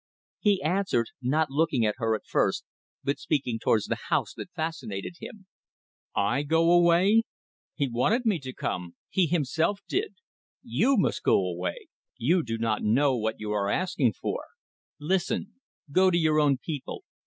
He answered, not looking at her at first, but speaking towards the house that fascinated him "I go away! He wanted me to come he himself did! ... You must go away. You do not know what you are asking for. Listen. Go to your own people.